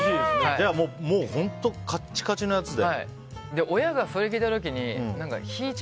じゃあもう本当カッチカチのやつで。